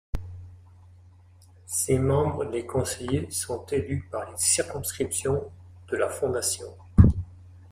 Ses membres, les conseillers, sont élus par les circonscriptions de la Fondation.